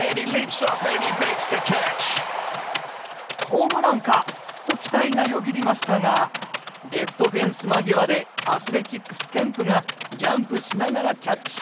ホームランかと期待がよぎりましたがレフトフェンス間際でアスレチックスケンプがジャンプしながらキャッチ。